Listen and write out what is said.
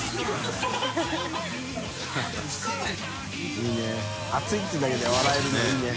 いい熱いっていうだけで笑えるのいいね。